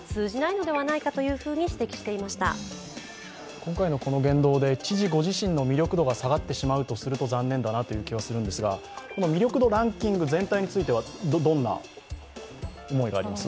今回のこの言動で、知事ご自身の魅力が下がってしまうと残念だなという気はするんですが、魅力度ランキング全体についてはどんな思いがあります？